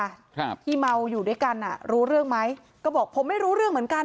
ครับที่เมาอยู่ด้วยกันอ่ะรู้เรื่องไหมก็บอกผมไม่รู้เรื่องเหมือนกัน